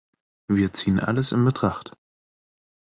Wir ziehen alles in Betracht.